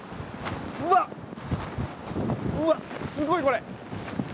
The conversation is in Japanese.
うわっ、すごいこれ！